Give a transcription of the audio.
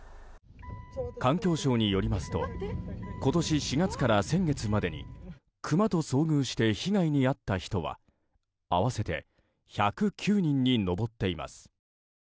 環境省によりますと今年４月から先月までにクマと遭遇して被害に遭った人は合わせて１０９人に上っています。